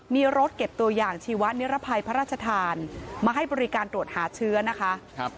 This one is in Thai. มีรถเก็บตัวอย่างชีวะนิรภัยพระราชทานมาให้บริการตรวจหาเชื้อนะคะ